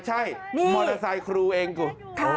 ใช่มอเตอร์ไซค์ครูเองกู